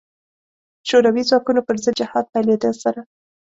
شوروي ځواکونو پر ضد جهاد پیلېدا سره.